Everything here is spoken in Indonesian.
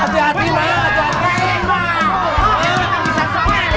hati hati emak ya gak jauh kain emak